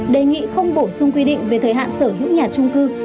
đề nghị không bổ sung quy định về thời hạn sở hữu nhà trung cư